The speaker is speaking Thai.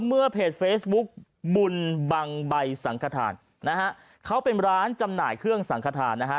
เมื่อเพจเฟซบุ๊กบุญบังใบสังขทานนะฮะเขาเป็นร้านจำหน่ายเครื่องสังขทานนะฮะ